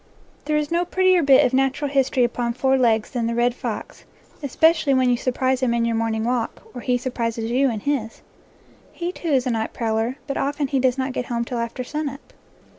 There is no prettier bit of natural history upon four legs than the red fox, especially when you sur 5 NATURE LORE prise him in your morning walk, or he surprises you in his. He, too, is a night prowler, but often he does not get home till after sun up.